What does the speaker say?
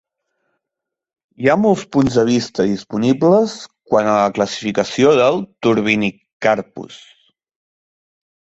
Hi ha molts punts de vista disponibles quant a la classificació del "Turbinicarpus".